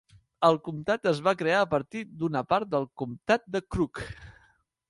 El comptat es va crear a partir d'una part del comptat de Crook.